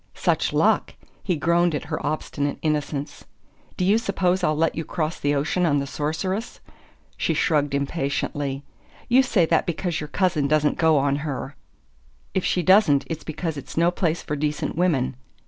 "Such luck?" He groaned at her obstinate innocence. "Do you suppose I'll let you cross the ocean on the Sorceress?" She shrugged impatiently. "You say that because your cousin doesn't go on her." "If she doesn't, it's because it's no place for decent women."